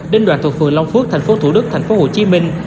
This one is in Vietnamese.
đến đoàn thuộc phường long phước thành phố thủ đức thành phố hồ chí minh